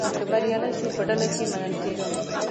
که بریالی شو په ډله کې منل کېدی.